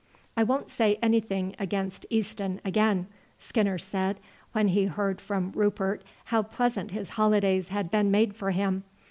"I won't say anything against Easton again," Skinner said when he heard from Rupert how pleasant his holidays had been made for him.